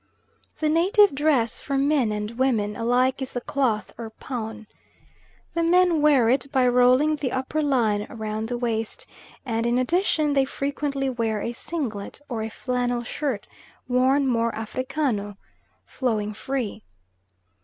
The native dress for men and women alike is the cloth or paun. The men wear it by rolling the upper line round the waist, and in addition they frequently wear a singlet or a flannel shirt worn MORE AFRICANO, flowing free.